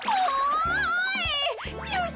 おい！